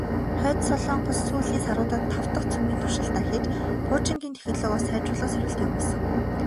Хойд Солонгос сүүлийн саруудад тав дахь цөмийн туршилтаа хийж, пуужингийн технологио сайжруулах сорилт явуулсан.